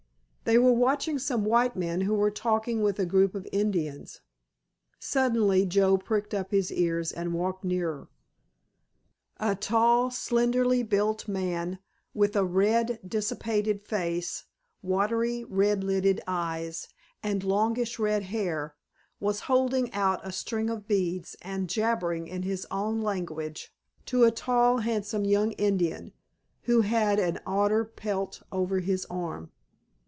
They were watching some white men who were talking with a group of Indians. Suddenly Joe pricked up his ears and walked nearer. A tall, slenderly built man, with a red, dissipated face, watery red lidded eyes, and longish red hair was holding out a string of beads and jabbering in his own language to a tall, handsome young Indian who had an otter pelt over his arm.